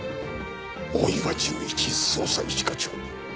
大岩純一捜査一課長。